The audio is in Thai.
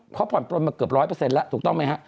ขอบภัณฑ์มาเกือบ๑๐๐ละถูกต้องไหมค่ะ